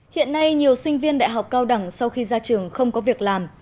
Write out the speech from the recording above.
hiện nay nhiều sinh viên đại học cao đẳng sau khi ra trường không có việc làm